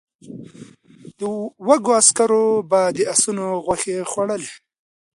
وږو عسکرو به د آسونو غوښې خوړلې.